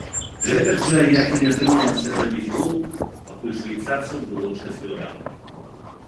Гэтак жа, як і не атрымалася забіць гол, пакуль швейцарцаў было чацвёра.